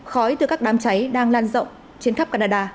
khói từ các đám cháy đang lan rộng trên khắp canada